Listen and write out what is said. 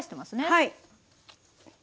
はい。